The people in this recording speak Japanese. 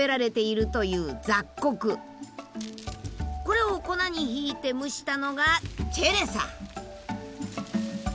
これを粉にひいて蒸したのがチェレさ。